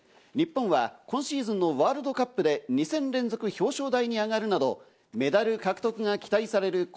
日本は今シーズンのワールドカップで２戦連続表彰台に上がるなど、メダル獲得が期待される